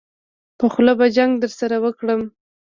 په خوله به جګ درسره وکړم.